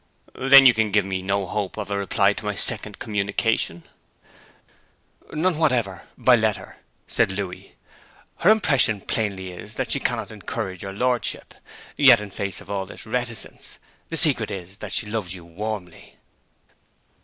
'Then you can give me no hope of a reply to my second communication?' 'None whatever by letter,' said Louis. 'Her impression plainly is that she cannot encourage your lordship. Yet, in the face of all this reticence, the secret is that she loves you warmly.'